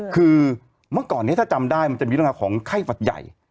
คือเมื่อก่อนนี้ถ้าจำได้มันจะมีเรื่องราวของไข้หวัดใหญ่